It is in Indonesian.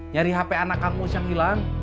nyari hp anak kamu syakilan